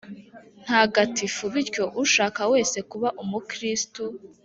ntagatifu. bityo, ushaka wese kuba umukristu